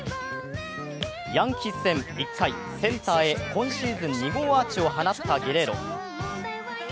ヤンキース戦１回センターへ今シーズン２号アーチを放ったゲレーロ。